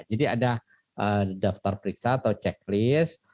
jadi ada daftar periksa atau checklist